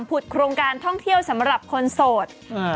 ผุดโครงการท่องเที่ยวสำหรับคนโสด